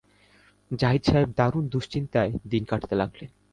জাহিদ সাহেব দারুণ দুশ্চিন্তায় দিন কাটাতে লাগলেন।